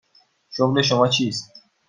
شغل شما چیست؟